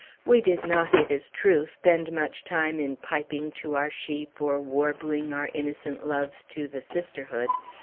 We did not, it is true, spend much time in piping to our sheep, or warbling our innocent loves to the sisterhood.